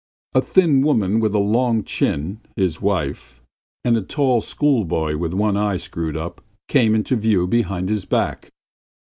A thin woman with a long chin, his wife, and a tall schoolboy with one eye screwed up came into view behind his back.